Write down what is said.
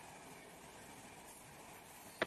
中华抱茎蓼为蓼科蓼属下的一个变种。